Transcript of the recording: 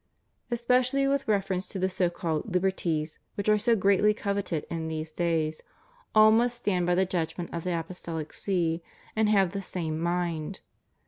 Especially with reference to the so called "Liberties'* which are so greatly coveted in these days, all must stand by the judgment of the Apostolic See, and have the same mind.